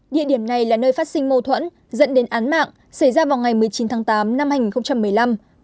địa điểm này là nơi phát sinh mâu thuẫn dẫn đến án mạng xảy ra vào ngày một mươi chín tháng tám năm hai nghìn một mươi năm